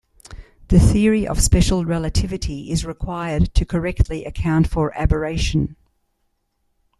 The theory of special relativity is required to correctly account for aberration.